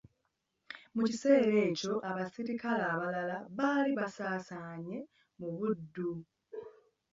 Mu kiseera ekyo abaserikale abalala abaali basaasaanye mu Buddu.